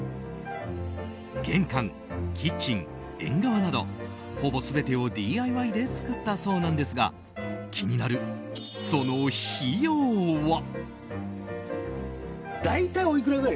玄関、キッチン、縁側などほぼ全てをＤＩＹで作ったそうなんですが気になるその費用は？